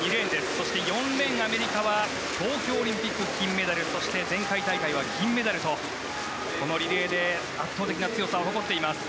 そして４レーン、アメリカは東京オリンピック金メダルそして前回大会は銀メダルとこのリレーで圧倒的な強さを誇っています。